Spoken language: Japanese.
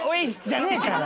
じゃねえから。